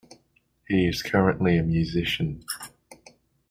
He is currently a musician.